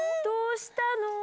どうしたの？